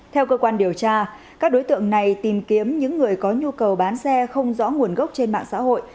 theo cơ quan điều tra các đối tượng này tìm kiếm những người có nhu cầu bán xe không rõ nguồn gốc trên mạng xã hội